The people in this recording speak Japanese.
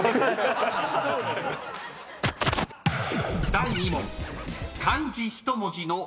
［第２問］